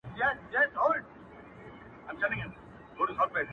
• نو پيدا يې كړه پيشو توره چالاكه,